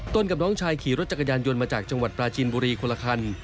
กับน้องชายขี่รถจักรยานยนต์มาจากจังหวัดปลาจีนบุรีคนละคัน